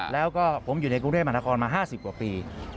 แล้วก็ผมอยู่ในกรุงเทพมหานครมา๕๐กว่าปี